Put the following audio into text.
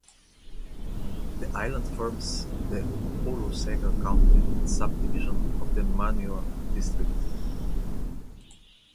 The island forms the Olosega County subdivision of the Manua District.